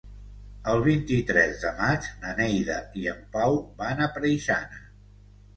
El vint-i-tres de maig na Neida i en Pau van a Preixana.